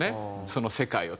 その世界を。